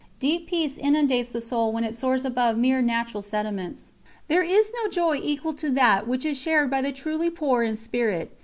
Deep peace inundates the soul when it soars above mere natural sentiments. There is no joy equal to that which is shared by the truly poor in spirit.